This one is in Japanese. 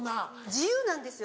自由なんですよ